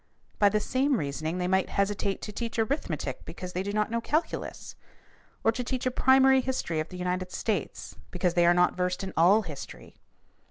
By the same reasoning they might hesitate to teach arithmetic because they do not know calculus or to teach a primary history of the United States because they are not versed in all history.